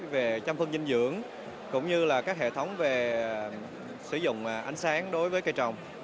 về chăm phân dinh dưỡng cũng như là các hệ thống về sử dụng ánh sáng đối với cây trồng